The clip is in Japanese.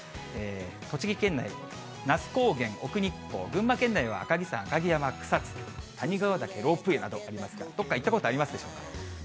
栃木県内、那須高原、奥日光、群馬県内は赤城山、草津、谷川岳ロープウェイなどありますが、どっか行ったことありますでしょうか？